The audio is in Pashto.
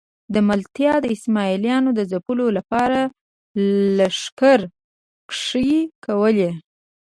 د ملتان د اسماعیلیانو د ځپلو لپاره لښکرکښۍ کولې.